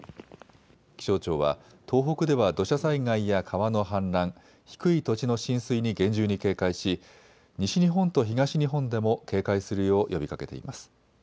気象庁は東北では土砂災害や川の氾濫、低い土地の浸水に厳重に警戒し西日本と東日本でも警戒するよう呼びかけています。